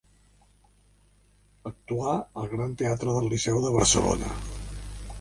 Actuà al Gran Teatre del Liceu de Barcelona.